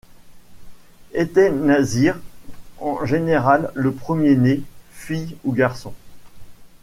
Était nazir, en général, le premier-né, fille ou garçon.